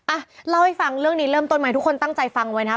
อ่ะเล่าให้ฟังเรื่องนี้เริ่มต้นไหมทุกคนตั้งใจฟังไว้นะ